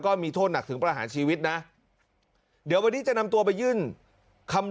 ก็เรียกร้องให้ตำรวจดำเนอคดีให้ถึงที่สุดนะ